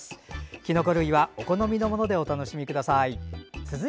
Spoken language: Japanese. きのこ類はお好みのものでお楽しみください。